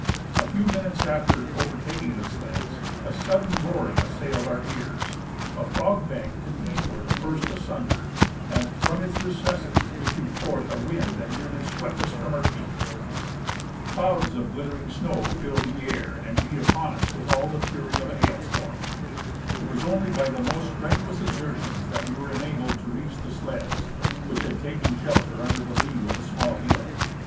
A few minutes after overtaking the sleds a sudden roaring assailed our ears, a fog bank to the eastward burst asunder, and from its recesses issued forth a wind that nearly swept us from our feet. Clouds of giit 27— Nat. Geog. Mao., vol. IV, 1892. 196 J. E. Turner — The Alaskan Boundary Survey. tering snow filled the air and beat upon us with all the fury of a hail storra. It was only by the most strenuous exertions that we were enabled to reach the sleds, which had taken shelter under the lee of a small hill.